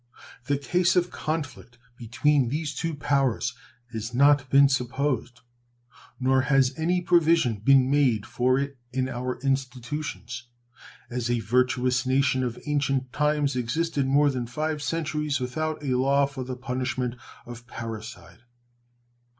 The case of a conflict between these two powers has not been supposed, nor has any provision been made for it in our institutions; as a virtuous nation of ancient times existed more than five centuries without a law for the punishment of parricide.